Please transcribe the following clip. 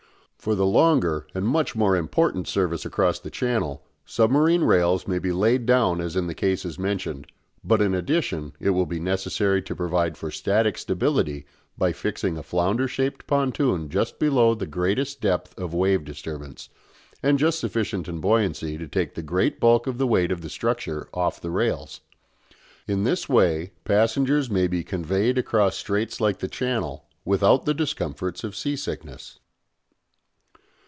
For the longer and much more important service across the Channel submarine rails may be laid down as in the cases mentioned, but in addition it will be necessary to provide for static stability by fixing a flounder shaped pontoon just below the greatest depth of wave disturbance, and just sufficient in buoyancy to take the great bulk of the weight of the structure off the rails. In this way passengers may be conveyed across straits like the Channel without the discomforts of sea sickness.